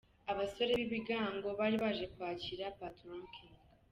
Aba basore b'ibigango bari baje kwakira Patoranking.